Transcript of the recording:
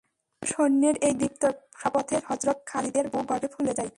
তিনশ সৈন্যের এই দীপ্ত শপথে হযরত খালিদের বুক গর্বে ফুলে যায়।